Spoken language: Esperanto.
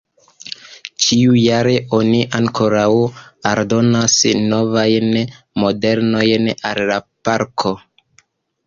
Ĉiujare oni ankoraŭ aldonas novajn modelojn al la parko.